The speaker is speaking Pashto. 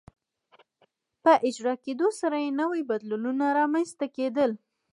په اجرا کېدو سره یې نوي بدلونونه رامنځته کېدل.